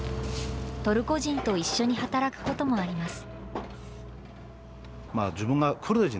トルコ人と一緒に働くこともあります。